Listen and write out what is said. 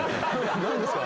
何ですか？